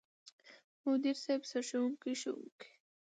مدير صيب، سرښوونکو ،ښوونکو،